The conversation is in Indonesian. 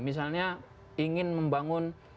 misalnya ingin membangun